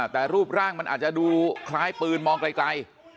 แต่รูปร่างมันอาจจะดูคล้ายปืนมองไกล